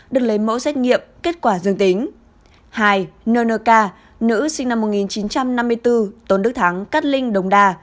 được lấy mẫu xét nghiệm kết quả dương tính hai nnk nữ sinh năm một nghìn chín trăm năm mươi bốn tôn đức thắng cát linh đống đa